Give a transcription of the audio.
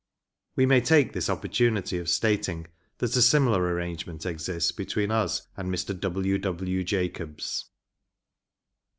We may take this opportunity of stating that a similar arrangement exists between us and Mr. W. W. Jacobs.